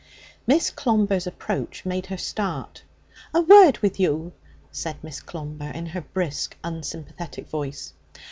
Miss Clomber's approach made her start. 'A word with you!' said Miss Clomber in her brisk, unsympathetic voice.